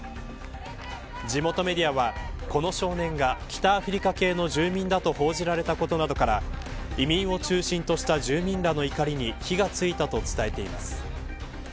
地元メディアはこの少年が北アフリカ系の住民だと報じられたことなどから移民を中心とした住民らの怒りに火がついたと伝えています。